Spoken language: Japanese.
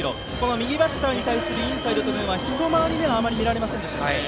右バッターに対するインサイドは一回り目はあまり見られませんでしたかね。